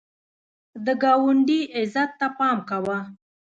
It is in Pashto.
د ګاونډي عزت ته پام کوه